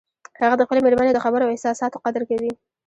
هغه د خپلې مېرمنې د خبرو او احساساتو قدر کوي